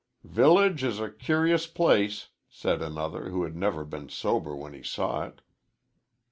"Village is a cur'ous place," said another, who had never been sober when he saw it.